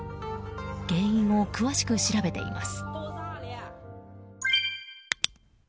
原因を詳しく調べています。